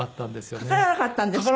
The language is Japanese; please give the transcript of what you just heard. かからなかったんですか？